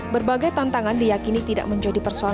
berbagai tantangan diyakini tidak menjadi persoalan